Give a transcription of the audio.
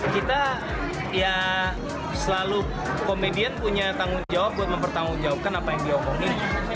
kita ya selalu komedian punya tanggung jawab buat mempertanggung jawabkan apa yang dihukum ini